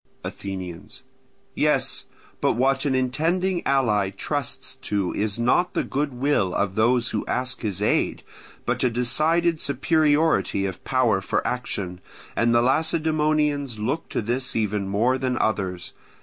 Athenians. Yes, but what an intending ally trusts to is not the goodwill of those who ask his aid, but a decided superiority of power for action; and the Lacedaemonians look to this even more than others.